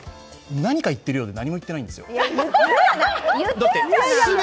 何か言っているようで何も言ってないでしょ？